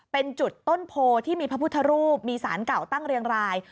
เป็นจุดต้นโพที่มีพระพุทธรูปมีสารเก่าตั้งเรียงราย